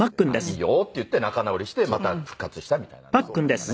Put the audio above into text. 「いいよ」って言って仲直りしてまた復活したみたいなのはありましたね。